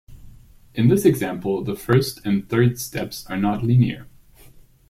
In this example, the first and third steps are not linear.